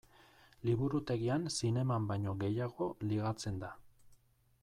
Liburutegian zineman baino gehiago ligatzen da.